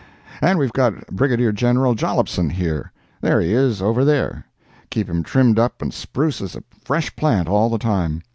And we've got Brigadier General Jollopson here—there he is, over there—keep him trimmed up and spruce as a fresh "plant," all the time.